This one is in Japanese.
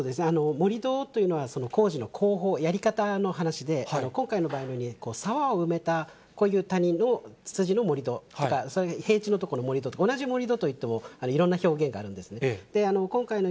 盛り土というのは、工事の工法、やり方の話で、今回の場合のように、沢を埋めた、こういう谷のの盛り土、平地の所の盛り土と、同じ盛り土といってもいろんな表現があるんですね。